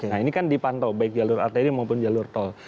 nah ini kan dipantau baik jalur arteri maupun jalur tol